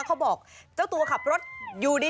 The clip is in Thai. เขาบอกเจ้าตัวขับรถอยู่ดี